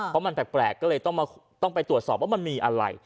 เพราะมันแปลกก็เลยต้องไปตรวจสอบว่ามันมีอะไร